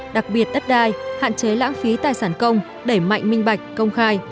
đặc biệt đất đai hạn chế lãng phí tài sản công đẩy mạnh minh bạch công khai